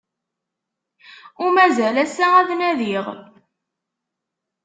Ur mazal ass-a ad nadiɣ.